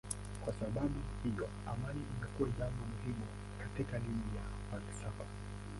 Kwa sababu hiyo amani imekuwa jambo muhimu katika dini na falsafa.